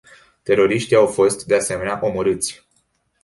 Teroriștii au fost, de asemenea, omorâți.